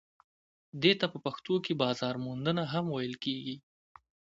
دې ته په پښتو کې بازار موندنه هم ویل کیږي.